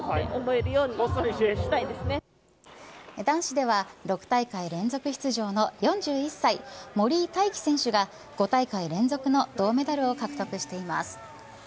男子では６大会連続出場の４１歳森井大輝選手が５大会連続の銅メダルを獲得しています。